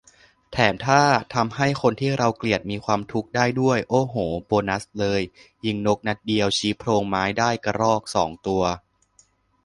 แถมถ้าทำให้คนที่เราเกลียดมีความทุกข์ได้ด้วย โอ้โห โบนัสเลย ยิงนกนัดเดียวชี้โพรงไม้ได้กระรอกสองตัว